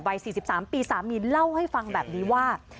ใบ๔๓ปี๓มีนเล่าให้ฟังแบบนี้ว่า